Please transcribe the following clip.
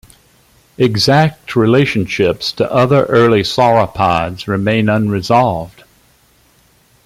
Exact relationships to other early sauropods remain unresolved.